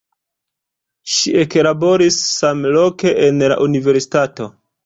Ŝi eklaboris samloke en la universitato.